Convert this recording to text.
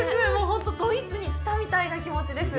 本当にドイツに来たみたいな気持ちです。